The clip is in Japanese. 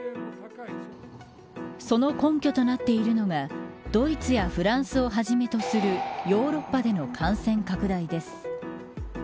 その根拠となっているのがドイツやフランスをはじめとするヨーロッパでの感染拡大です。